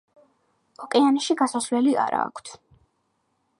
ოკეანეში გასასვლელი არა აქვთ.